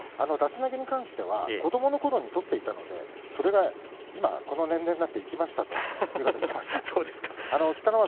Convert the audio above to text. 出し投げに関しては子どものころに取っていたのでそれがこの年齢になって生きましたと話していました。